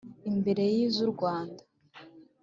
imbere y iz u Rwanda